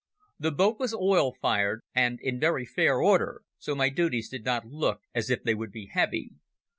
The boat was oil fired, and in very fair order, so my duties did not look as if they would be heavy.